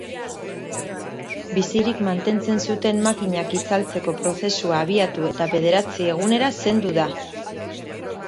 Bizirik mantentzen zuten makinak itzaltzeko prozesua abiatu eta bederatzi egunera zendu da.